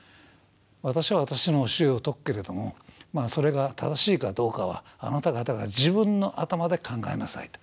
私は私の教えを説くけれどもそれが正しいかどうかはあなた方が自分の頭で考えなさいと。